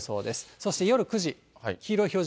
そして夜９時、黄色い表示。